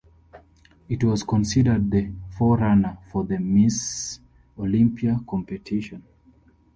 It was considered the forerunner for the Ms. Olympia competition.